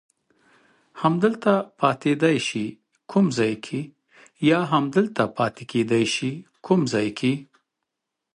همدلته پاتېدای شې، کوم ځای کې؟